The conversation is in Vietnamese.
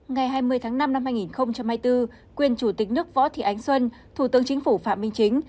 ngày hai mươi tháng năm năm hai nghìn hai mươi bốn quyền chủ tịch nước võ thị ánh xuân thủ tướng chính phủ phạm minh chính